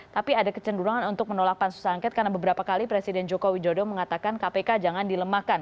tapi ada kecenderungan untuk menolak pansus angket karena beberapa kali presiden joko widodo mengatakan kpk jangan dilemahkan